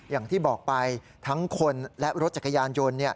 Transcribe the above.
อย่างที่บอกไปทั้งคนและรถจักรยานยนต์